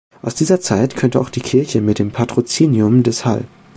Aus dieser Zeit könnte auch die Kirche mit dem Patrozinium des Hl.